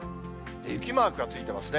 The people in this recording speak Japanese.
雪マークがついてますね。